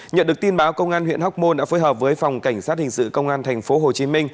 nhận được tin báo công an huyện hóc môn đã phối hợp với phòng cảnh sát hình sự công an tp hcm